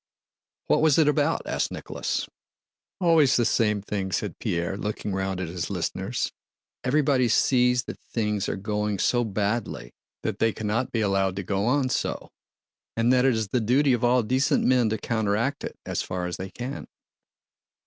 "What was it about?" asked Nicholas. "Always the same thing," said Pierre, looking round at his listeners. "Everybody sees that things are going so badly that they cannot be allowed to go on so and that it is the duty of all decent men to counteract it as far as they can."